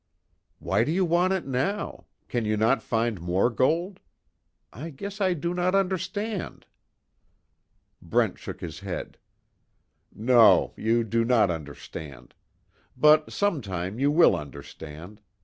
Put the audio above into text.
"Why do you want it now? Can you not find more gold? I guess I do not understand." Brent shook his head: "No, you do not understand. But, sometime you will understand.